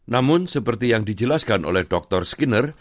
namun seperti yang dijelaskan oleh dr skiner